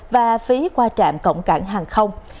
và phí qua trạm cổng cảng hàng không